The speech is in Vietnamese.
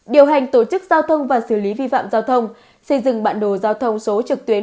điều hành tổ chức giao thông và xử lý vi phạm giao thông xây dựng bản đồ giao thông số trực tuyến